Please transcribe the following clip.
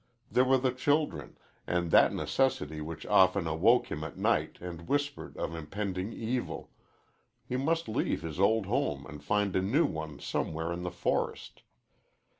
There were the children, and that necessity which often awoke him at night and whispered of impending evil he must leave his old home and find a new one somewhere in the forest.